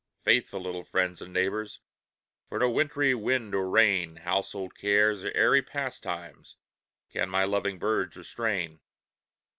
Faithful little friends and neighbors, For no wintry wind or rain, Household cares or airy pastimes, Can my loving birds restrain.